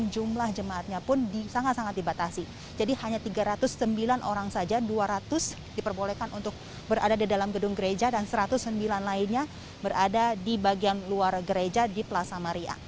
jumlah jemaatnya pun sangat sangat dibatasi jadi hanya tiga ratus sembilan orang saja dua ratus diperbolehkan untuk berada di dalam gedung gereja dan satu ratus sembilan lainnya berada di bagian luar gereja di plaza maria